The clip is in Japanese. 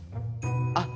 あっ！